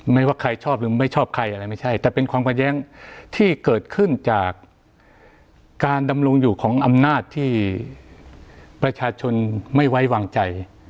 ไม่ว่าใครชอบหรือไม่ชอบใครอะไรไม่ใช่แต่เป็นความขัดแย้งที่เกิดขึ้นจากการดำรงอยู่ของอำนาจที่ประชาชนไม่ไว้วางใจ